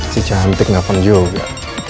si cantik ngepang juga